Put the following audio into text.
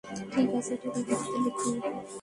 ঠিক আছে, এটা বিবৃতিতে লিখুন।